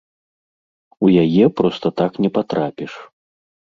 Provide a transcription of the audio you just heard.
У яе проста так не патрапіш.